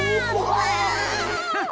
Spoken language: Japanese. わあ！